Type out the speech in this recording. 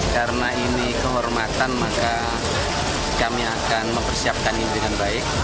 karena ini kehormatan maka kami akan mempersiapkan impian baik